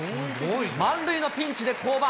満塁のピンチで降板。